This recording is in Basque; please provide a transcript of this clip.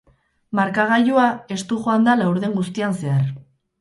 Markagailua estu joan da laurden guztian zehar.